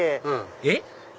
えっ？